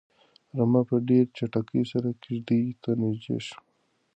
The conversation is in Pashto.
رمه په ډېرې چټکۍ سره کيږديو ته نږدې شوه.